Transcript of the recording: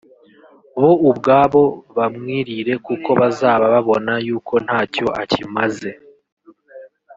bo ubwabo bamwirire kuko bazaba babona yuko ntacyo akimaze